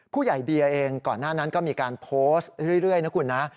เบียร์เองก่อนหน้านั้นก็มีการโพสต์เรื่อยนะคุณนะ